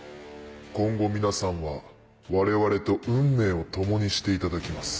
今後皆さんは我々と運命を共にしていただきます。